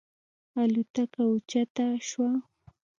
الوتکه اوچته شوه.